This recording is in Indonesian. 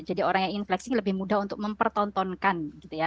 jadi orang yang ingin flexing lebih mudah untuk mempertontonkan gitu ya